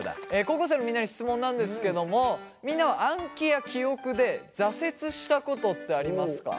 高校生のみんなに質問なんですけどもみんなは暗記や記憶で挫折したことってありますか？